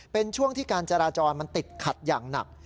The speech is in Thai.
เป็นช่วงที่การจราจรมันติดขัดอย่างหนัก